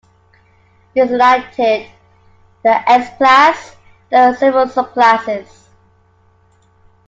Designated the S class, there were several sub-classes.